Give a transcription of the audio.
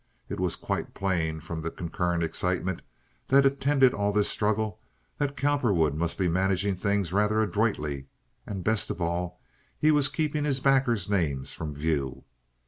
It was quite plain from the concurrent excitement that attended all this struggle, that Cowperwood must be managing things rather adroitly, and, best of all, he was keeping his backers' names from view.